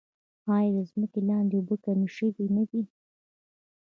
آیا د ځمکې لاندې اوبه کمې شوې نه دي؟